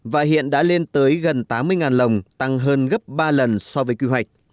và hiện đã lên tới gần tám mươi lồng tăng hơn gấp ba lần so với kỳ hoạch